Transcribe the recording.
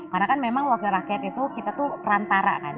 karena kan memang wakil rakyat itu kita tuh perantara kan